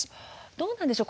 どうなんでしょう